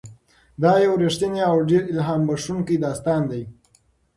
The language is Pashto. دا یو رښتینی او ډېر الهام بښونکی داستان دی.